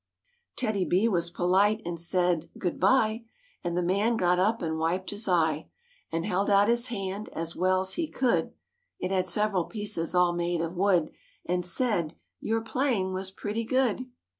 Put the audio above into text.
TEDDY B was polite and said "Good bye;" And the man got up and wiped his eye, And held out his hand as well's he could, (It had several pieces all made of wood) And said, "Your playing was pretty good."